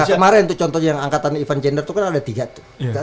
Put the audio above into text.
nah kemarin tuh contohnya yang angkatan event gender tuh kan ada tiga tuh